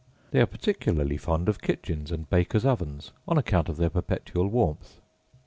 They are particularly fond of kitchens and bakers' ovens, on account of their perpetual warmth.